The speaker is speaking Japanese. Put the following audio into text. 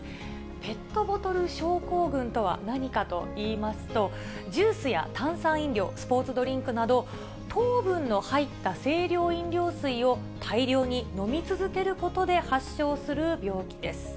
ペットボトル症候群とは何かといいますと、ジュースや炭酸飲料、スポーツドリンクなど、糖分の入った清涼飲料水を大量に飲み続けることで発症する病気です。